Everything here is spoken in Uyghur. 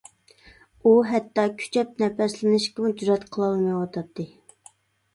ئۇ ھەتتا كۈچەپ نەپەسلىنىشكىمۇ جۈرئەت قىلالمايۋاتاتتى.